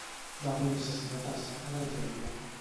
Va morir assassinat al Sàhara algerià.